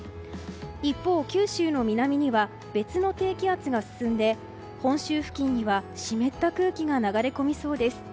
一方、九州の南には別の低気圧が進んで本州付近には湿った空気が流れ込みそうです。